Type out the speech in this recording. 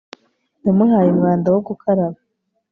yamuhaye umwanda wo gukaraba